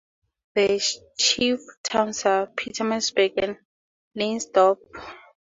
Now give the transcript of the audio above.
The chief towns are Pietersburg and Leydsdorp.